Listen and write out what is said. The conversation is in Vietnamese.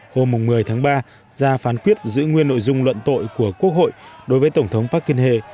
hôm một mươi tháng ba ra phán quyết giữ nguyên nội dung luận tội của quốc hội đối với tổng thống park geun hye